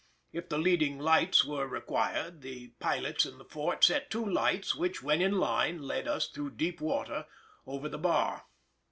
If the leading lights were required, the pilots in the fort set two lights which, when in line, led us through deep water over the bar.